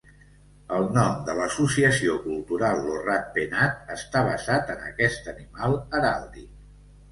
El nom de l'associació cultural Lo Rat Penat està basat en aquest animal heràldic.